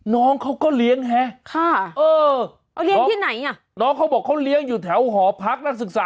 น้องเขาก็เลี้ยงแฮะเออ